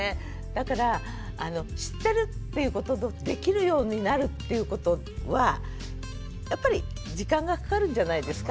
だから知ってるっていうこととできるようになるっていうことはやっぱり時間がかかるんじゃないですか。